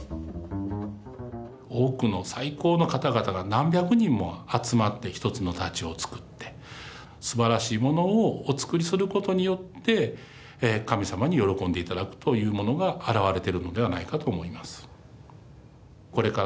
多くの最高の方々が何百人も集まって一つの太刀を作ってすばらしいものをお作りすることによって神様に喜んで頂くというものが表れてるのではないかと思います。